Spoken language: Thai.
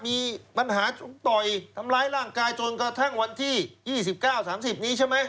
มีปัญหาต่อยทำร้ายร่างกายจนกระทั่งวันที่๒๙๓๐นี้ใช่ไหม